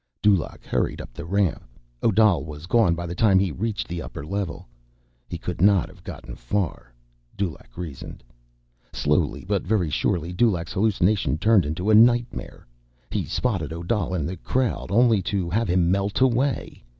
Dulaq hurried up the ramp. Odal was gone by the time he reached the upper level. He could not have gotten far, Dulaq reasoned. Slowly, but very surely, Dulaq's hallucination turned into a nightmare. He spotted Odal in the crowd, only to have him melt away.